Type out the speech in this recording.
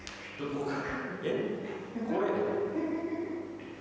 これ。